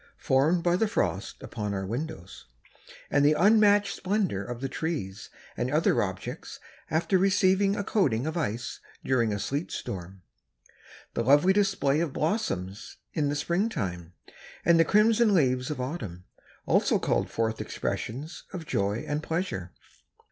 formed by the frost upon our windows, and the unmatchable splendor of the trees and other objects after receiving a coating of ice during a sleet storm. The lovely display of blossoms in the spring time, and the crimson leaves of autumn, also called forth expressions of joy and pleasure.